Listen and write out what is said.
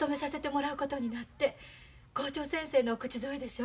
校長先生のお口添えでしょ？